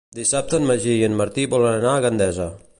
Dissabte en Magí i en Martí volen anar a Gandesa.